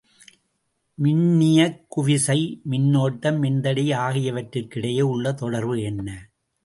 மின்னியக்குவிசை, மின்னோட்டம், மின்தடை ஆகியவற்றிற்கிடையே உள்ள தொடர்பு என்ன?